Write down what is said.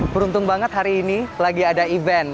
beruntung banget hari ini lagi ada event